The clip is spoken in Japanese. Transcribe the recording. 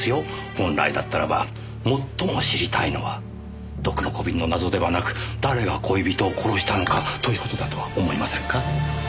本来だったらば最も知りたいのは毒の小瓶の謎ではなく誰が恋人を殺したのかという事だとは思いませんか？